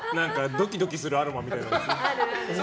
ドキドキするアロマみたいなやつ。